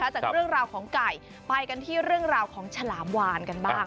จากเรื่องราวของไก่ไปกันที่เรื่องราวของฉลามวานกันบ้าง